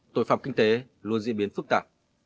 tội phạm kinh tế luôn diễn biến phức tạp